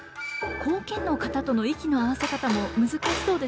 後見の方との息の合わせ方も難しそうですね。